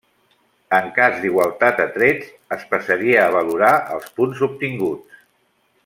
En cas d'igualtat a trets es passaria a valorar els punts obtinguts.